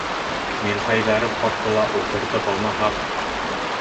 Мирхәйҙәров ҡартты ла ултыртып алмаһаҡ...